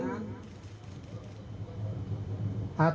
saya telah memberikan keterangan